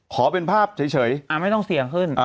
ขอเป็นภาพเฉย